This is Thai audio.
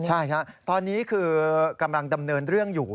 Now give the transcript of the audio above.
ใช่ครับตอนนี้คือกำลังดำเนินเรื่องอยู่